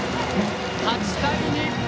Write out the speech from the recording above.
８対２！